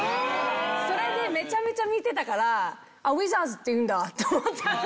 それでめちゃめちゃ見てたからああウィザーズっていうんだって思ったの！